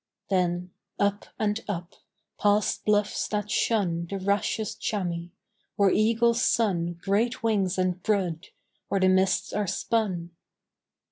Then up and up, past bluffs that shun The rashest chamois; where eagles sun Great wings and brood; where the mists are spun.